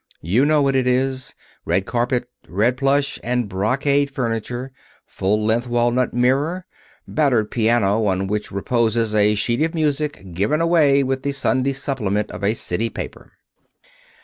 You know what it is red carpet, red plush and brocade furniture, full length walnut mirror, battered piano on which reposes a sheet of music given away with the Sunday supplement of a city paper.